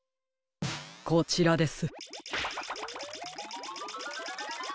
こちらです。